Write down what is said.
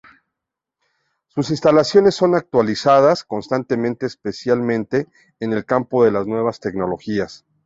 Sus instalaciones son actualizadas constantemente, especialmente en el campo de las nuevas tecnologías.